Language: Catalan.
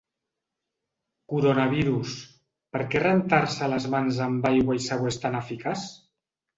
Coronavirus: per què rentar-se les mans amb aigua i sabó és tan eficaç?